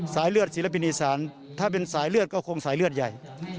เลือดศิลปินอีสานถ้าเป็นสายเลือดก็คงสายเลือดใหญ่